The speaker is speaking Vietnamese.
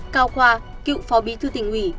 cao khoa cựu phó bí thư tỉnh ủy